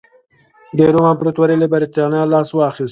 د روم امپراتورۍ له برېټانیا لاس واخیست